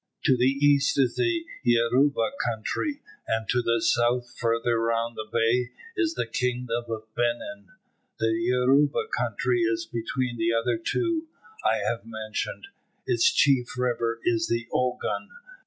To the east is the Yoruba country, and to the south, further round the bay, is the kingdom of Benin. The Yoruba country is between the other two I have mentioned. Its chief river is the Ogun.